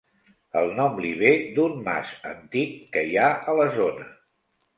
El nom li ve d'un mas antic que hi ha a la zona.